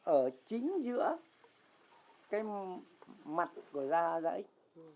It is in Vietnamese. ở chính giữa cái mặt của da da ích